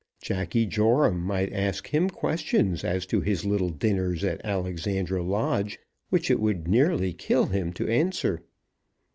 Jacky Joram might ask him questions as to his little dinners at Alexandra Lodge, which it would nearly kill him to answer.